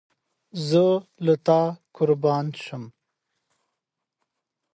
د انترنيوز لخوا هم راډيو گانې جوړې او خپرونې كوي.